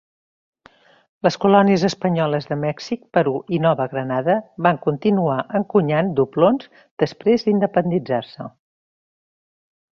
Les colònies espanyoles de Mèxic, Perú i Nova Granada van continuar encunyant doblons després d'independitzar-se.